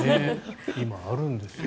今、あるんですよ。